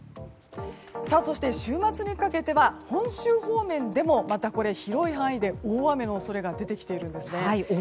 そして、週末にかけては本州方面でもまた広い範囲で大雨の恐れが出てきているんです。